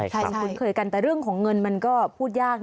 มันคุ้นเคยกันแต่เรื่องของเงินมันก็พูดยาก